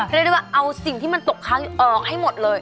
เรียกได้ว่าเอาสิ่งที่มันตกค้างออกให้หมดเลย